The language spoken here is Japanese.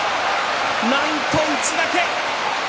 なんと内掛け。